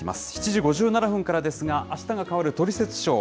７時５７分からですが、あしたが変わるトリセツショー。